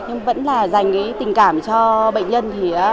nhưng vẫn là dành tình cảm cho bệnh nhân